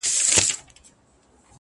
لوړ فکر د بدلون بنسټ ږدي’